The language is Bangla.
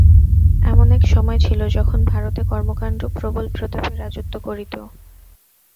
এমন এক সময় ছিল, যখন ভারতে কর্মকাণ্ড প্রবল প্রতাপে রাজত্ব করিত।